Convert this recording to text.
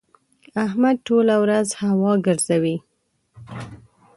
احمد ټوله ورځ هوا ګزوي.